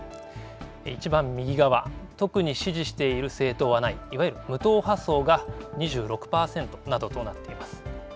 いちばん右側、特に支持している政党はない、いわゆる無党派層が２６％などとなっています。